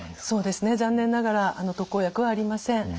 そうですね残念ながら特効薬はありません。